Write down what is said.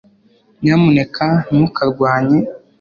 nyamuneka ntukarwanye